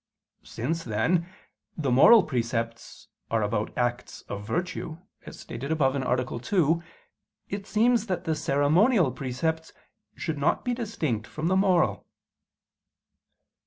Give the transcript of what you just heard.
Since, then, the moral precepts are about acts of virtue, as stated above (A. 2), it seems that the ceremonial precepts should not be distinct from the moral.